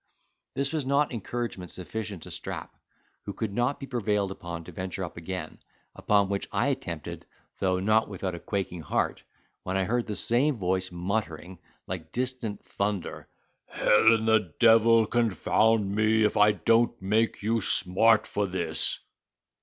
This was not encouragement sufficient to Strap, who could not be prevailed upon to venture up again; upon which I attempted, though not without a quaking heart, when I heard the same voice muttering, like distant thunder—"Hell and the devil confound me, if I don't make you smart for this!"